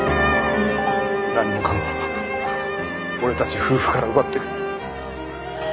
何もかも俺たち夫婦から奪っていく。